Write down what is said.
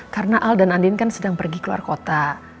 karena al dan andien kan sedang pergi keluar kota